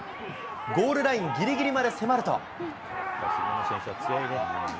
ゴールラインぎりぎりまで迫ると。